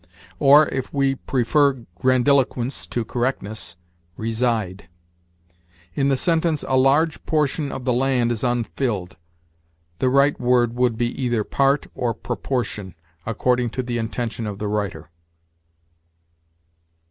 or, if we prefer grandiloquence to correctness, reside. In the sentence, "A large portion of the land is unfilled," the right word would be either part or proportion, according to the intention of the writer.